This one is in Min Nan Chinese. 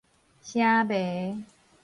唌迷